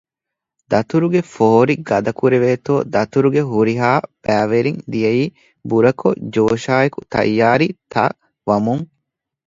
ދަތުރުގެ ފޯރި ގަދަކުރެވޭތޯ ދަތުރުގެ ހުރިހާ ބައިވެރިން ދިޔައީ ބުރަކޮށް ޖޯޝާއެކު ތައްޔާރީ ތައް ވަމުން